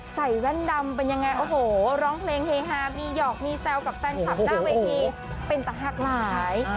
แว่นดำเป็นยังไงโอ้โหร้องเพลงเฮฮามีหยอกมีแซวกับแฟนคลับหน้าเวทีเป็นต่างหากหลาย